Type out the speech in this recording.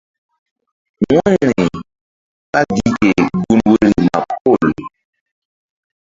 Wu̧yri ɓá gi ke gun woyri ma pol.